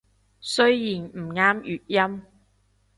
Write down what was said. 雖然唔啱粵音